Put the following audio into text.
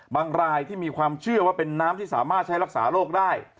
รายที่มีความเชื่อว่าเป็นน้ำที่สามารถใช้รักษาโรคได้